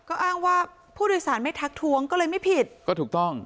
ก็อ้างว่าผู้โดยสารไม่ทักทวงก็เลยไม่ผิดก็ถูกต้อง